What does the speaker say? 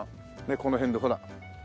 この辺でほら。